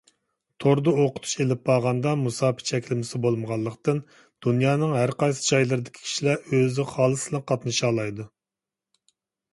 توردا ئوقۇتۇش ئېلىپ بارغاندا مۇساپە چەكلىمىسى بولمىغانلىقتىن، دۇنيانىڭ ھەر جايلىرىدىكى كىشىلەر ئۆزى خالىسىلا قاتنىشالايدۇ.